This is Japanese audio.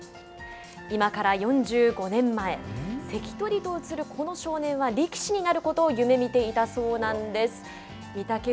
今から４５年前この少年は力士になることを夢見ていたそうなんです。